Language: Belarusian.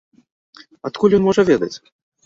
Адкуль ён можа ведаць?